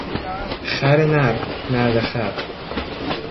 خر نر، نره خر